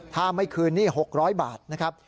ถ้าไม่คืนหนี้๖๐๐บาทนะครับ